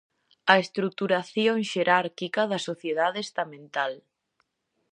A estruturación xerárquica da sociedade estamental.